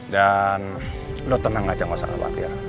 dan lo tenang aja gak usah khawatir